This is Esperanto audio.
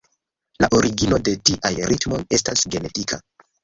La origino de tiaj ritmoj estas genetika.